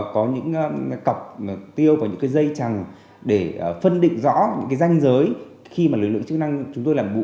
có những cọc tiêu và những dây chằng để phân định rõ những danh giới khi lực lượng chức năng chúng tôi làm nhiệm vụ